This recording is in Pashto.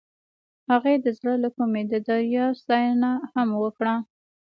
هغې د زړه له کومې د دریاب ستاینه هم وکړه.